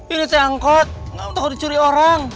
ini saya angkot gautau dicuri orang